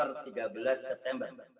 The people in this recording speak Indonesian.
per tiga belas september